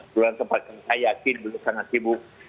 sejujurnya sempat saya yakin belum sangat sibuk